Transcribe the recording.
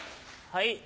はい。